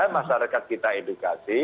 masyarakat kita edukasi